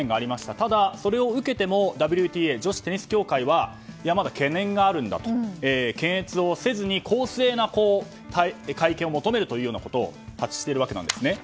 ただ、それを受けてもＷＴＡ・女子テニス協会はいや、まだ懸念があるんだと検閲をせずに公正な会見を求めるというようなことを発しているわけなんですね。